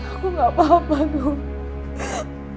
aku gak apa apa itu